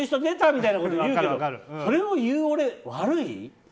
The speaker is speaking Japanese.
みたいなこと言うけどそれを言う俺、悪い？